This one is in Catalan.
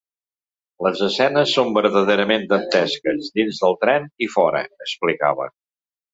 “Les escenes són verdaderament dantesques, dins del tren i fora”, explicava.